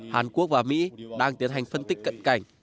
hàn quốc và mỹ đang tiến hành phân tích cận cảnh